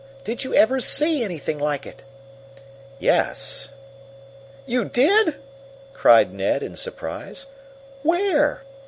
Did you ever see anything like it?" "Yes." "You did?" Cried Ned, in surprise. "Where?